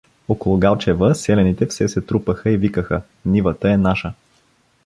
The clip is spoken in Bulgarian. Около Галчева селяните все се трупаха и викаха: — Нивата е наша.